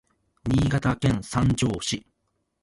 Niigataken sanjo si